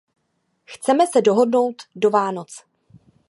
Chceme se dohodnout do Vánoc.